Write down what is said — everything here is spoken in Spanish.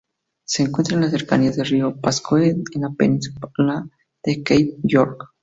Se encuentra en las cercanías del río Pascoe en la península de Cape York.